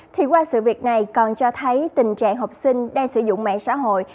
thì qua sự việc này còn cho thấy tình trạng học sinh đang sử dụng mạng xã hội